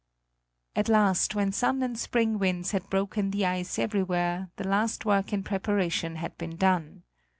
At last, when sun and spring winds had broken the ice everywhere, the last work in preparation had been done.